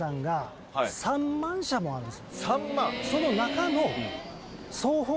その中の。